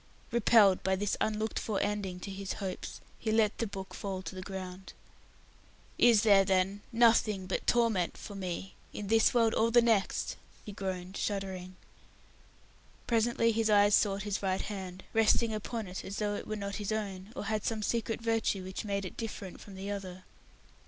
Repelled by this unlooked for ending to his hopes, he let the book fall to the ground. "Is there, then, nothing but torment for me in this world or the next?" he groaned, shuddering. Presently his eyes sought his right hand, resting upon it as though it were not his own, or had some secret virtue which made it different from the other.